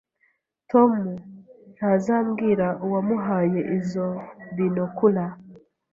Tom ntazambwira uwamuhaye izo binokula